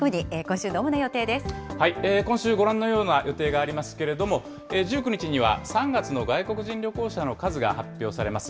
今週、ご覧のような予定がありますけれども、１９日には、３月の外国人旅行者の数が発表されます。